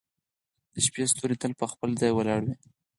• د شپې ستوري تل په خپل ځای ولاړ وي.